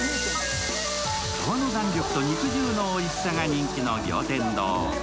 皮の弾力と肉汁のおいしさが人気の餃天堂。